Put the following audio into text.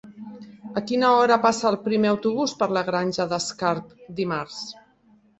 A quina hora passa el primer autobús per la Granja d'Escarp dimarts?